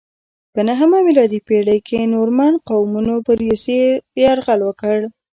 په نهمه میلادي پیړۍ کې نورمن قومونو پر روسیې یرغل وکړ.